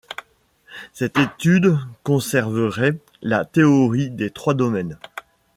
Cette étude conserverait la théorie des trois domaines.